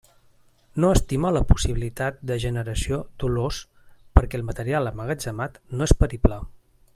No estima la possibilitat de generació d'olors perquè el material emmagatzemat no és perible.